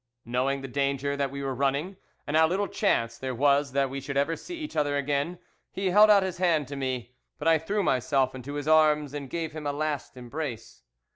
"Knowing the danger that we were running, and how little chance there was that we should ever see each other again, he held out his hand to me, but I threw myself into his arms and gave him a last embrace.